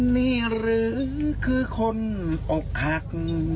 นี่หรือคือคนอกหัก